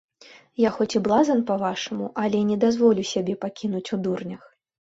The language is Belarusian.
Я хоць і блазан, па-вашаму, але не дазволю сябе пакінуць у дурнях.